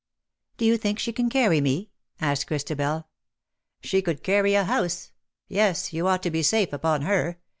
" Do you think she can carry me T' asked Christabel. '* She could carry a house. Yes ; you ought to be safe upon her.